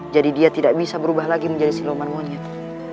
jadi dia tidak bisa berubah lagi menjadi siluman monyet